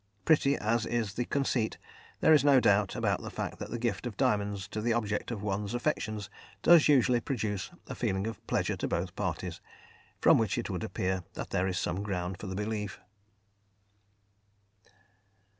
Pretty as is this conceit, there is no doubt about the fact that the gift of diamonds to the object of one's affections does usually produce a feeling of pleasure to both parties, from which it would appear that there is some ground for the belief.